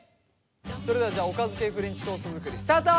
それではじゃあおかず系フレンチトースト作りスタート。